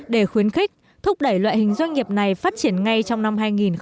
để khuyến khích thúc đẩy loại hình doanh nghiệp này phát triển ngay trong năm hai nghìn hai mươi